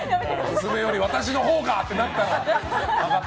娘より私のほうが！ってなったら。